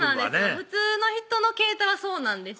普通の人の携帯はそうなんです